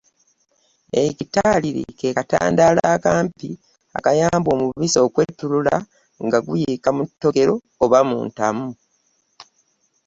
Ekitaaliri ke katandaalo akampi akayamba omubisi okwettulula nga guyiika mu ttogero oba entamu.